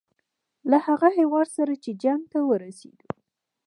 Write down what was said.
له هغه هیواد سره چې جنګ ته ورسېدو.